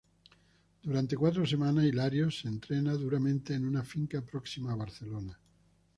Durante cuatro semanas, Hilario se entrena duramente en una finca próxima a Barcelona.